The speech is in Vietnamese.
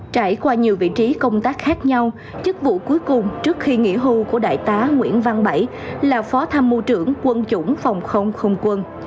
trải qua nhiều vị trí công tác khác nhau chức vụ cuối cùng trước khi nghỉ hưu của đại tá nguyễn văn bảy là phó tham mưu trưởng quân chủng phòng không không quân